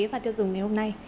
và tiêu dùng ngày hôm nay